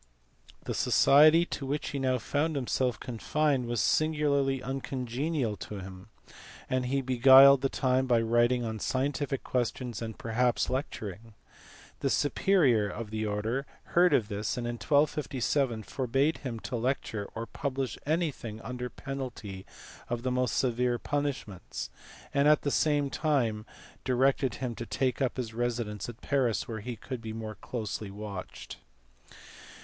The society to which he now found himself confined was singularly uncongenial to him, and he beguiled the time by writing on scientific questions and perhaps lecturing. The superior of the order heard of this, and in 1257 forbad him to lecture or publish anything under penalty of the most severe punish ments, and at the same time directed him to take up his residence at Paris where he could be more closely watched.